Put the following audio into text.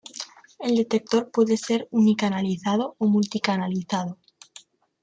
El detector puede ser uni-canalizado o multi-canalizado.